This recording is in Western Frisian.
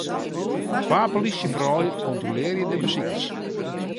Twa plysjefroulju kontrolearje de besikers.